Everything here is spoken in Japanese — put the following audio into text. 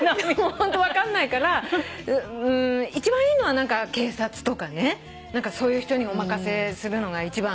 ホント分かんないから一番いいのは警察とかねそういう人にお任せするのが一番。